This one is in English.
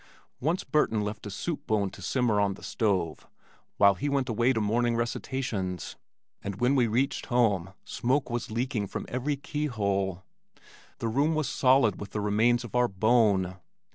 Once Burton left a soup bone to simmer on the stove while we went away to morning recitations, and when we reached home, smoke was leaking from every keyhole. The room was solid with the remains of our bone.